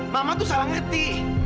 mama tuh salah ngerti